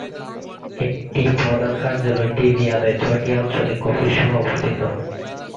এর প্রধান কার্যালয়টি রিয়াদে ছয়টি আঞ্চলিক অফিস সহ অবস্থিত।